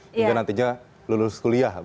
hingga nantinya lulus kuliah